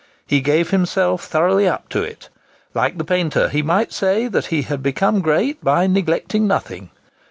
He gave himself thoroughly up to it. Like the painter, he might say that he had become great "by neglecting nothing."